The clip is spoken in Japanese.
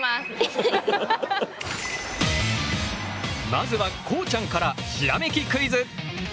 まずはこうちゃんからひらめきクイズ！